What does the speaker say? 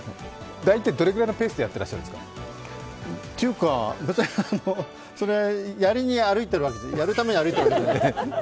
大体どれぐらいのペースでやってらっしゃるんですか？というか、別にそれはやるために歩いてるわけじゃないので。